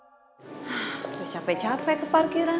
terus capek capek ke parkiran